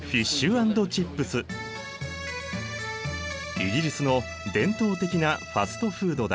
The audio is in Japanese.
イギリスの伝統的なファストフードだ。